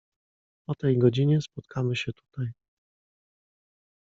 "O tej godzinie spotkamy się tutaj."